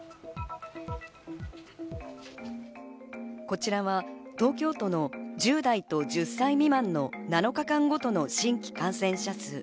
こちらは東京都の１０代と１０歳未満の７日間ごとの新規感染者数。